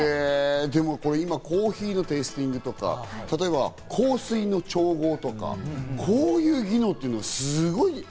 今コーヒーのテイスティングとか、香水の調合とか、こういう技能っていうのはすごい。